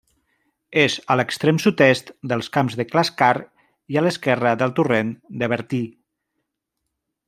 És a l'extrem sud-est dels Camps del Clascar i a l'esquerra del torrent de Bertí.